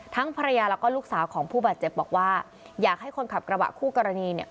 ภรรยาแล้วก็ลูกสาวของผู้บาดเจ็บบอกว่าอยากให้คนขับกระบะคู่กรณีเนี่ย